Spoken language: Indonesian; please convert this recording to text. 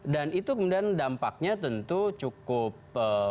dan itu kemudian dampaknya tentu cukup punya efek dolar